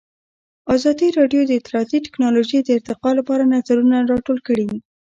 ازادي راډیو د اطلاعاتی تکنالوژي د ارتقا لپاره نظرونه راټول کړي.